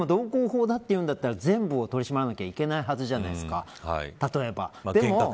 でも道交法だというなら全部取り締まらなきゃいけないはずじゃないですか。